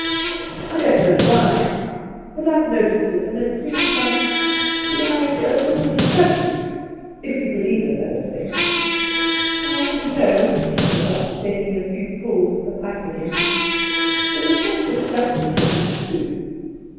I don't know why, but I've noticed it, and it seems like — ^like a sort of judgment, if you believe in those things.' ' And you know,' he said, after taking a few pulls at the pipe again, ' there's a sense of justice in that, too.